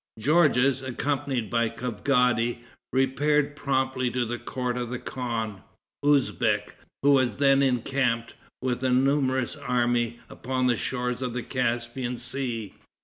Georges, accompanied by Kavgadi, repaired promptly to the court of the khan, Usbeck, who was then encamped, with a numerous army, upon the shores of the Caspian Sea.